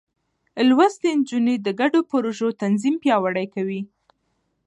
لوستې نجونې د ګډو پروژو تنظيم پياوړې کوي.